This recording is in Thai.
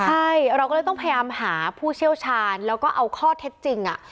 ใช่เราก็เลยต้องพยายามหาผู้เชี่ยวชาญแล้วก็เอาข้อเท็จจริง